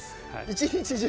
一日中？